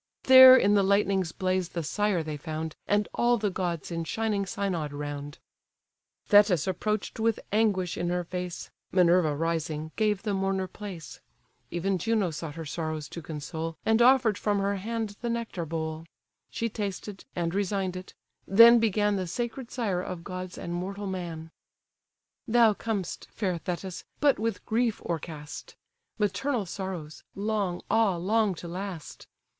There in the lightning's blaze the sire they found, And all the gods in shining synod round. Thetis approach'd with anguish in her face, (Minerva rising, gave the mourner place,) Even Juno sought her sorrows to console, And offer'd from her hand the nectar bowl: She tasted, and resign'd it: then began The sacred sire of gods and mortal man: "Thou comest, fair Thetis, but with grief o'ercast; Maternal sorrows; long, ah, long to last!